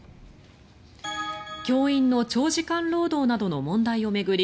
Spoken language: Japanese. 教員の長時間労働などの問題を巡り